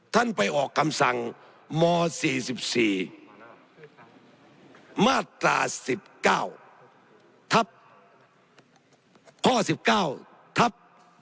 ท่านไปออกคำสั่งม๔๔มาตรา๑๙ทัพข๑๙ทัพ๒๕๖๐